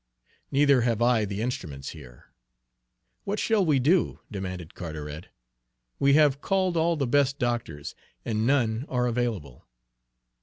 Neither have I the instruments here." "What shall we do?" demanded Carteret. "We have called all the best doctors, and none are available."